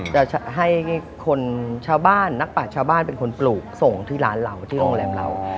จะให้คนชาวบ้านนักปัดชาวบ้านเป็นคนปลูกส่งที่ร้านเราที่โรงแรมเรา